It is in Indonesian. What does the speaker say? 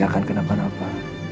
gak akan kenapa napa